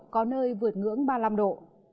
có nơi vượt ngưỡng ba mươi năm độ